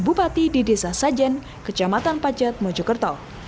bupati di desa sajen kecamatan pacet mojokerto